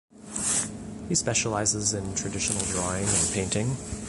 He specializes in traditional drawing and painting.